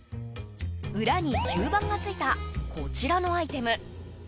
裏に吸盤がついたこちらのアイテム。